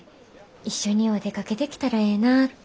一緒にお出かけできたらええなって。